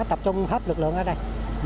tập trung hết lực lượng ở đây